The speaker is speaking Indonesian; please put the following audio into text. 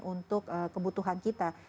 untuk kebutuhan kita